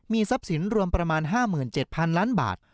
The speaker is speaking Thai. ทรัพย์สินรวมประมาณ๕๗๐๐ล้านบาท